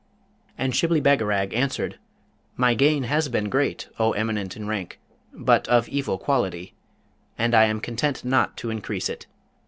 And Shibli Bagarag answered, 'My gain has been great, O eminent in rank, but of evil quality, and I am content not to increase it.'